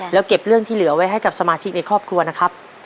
แล้วเก็บเรื่องที่เหลือไว้ให้กับสมาชิกในครอบครัวนะครับ